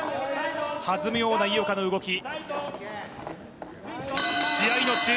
弾むような井岡の動き。